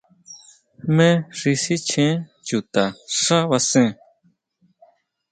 ¿Jme xi sichjén chuta xá basén?